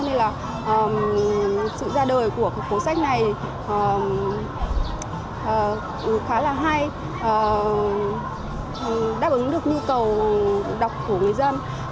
nên là sự ra đời của cuốn sách này khá là hay đáp ứng được nhu cầu đọc của người dân